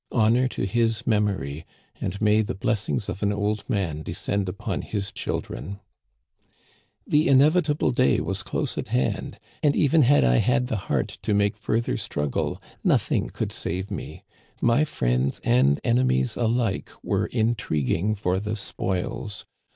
Honor to his memory, and may the blessings of an old man descend upon his chil dren !The inevitable day was close at hand, and even had I had the heart to make further struggle nothing could save me. My friends and enemies alike were intriguing for the spoils.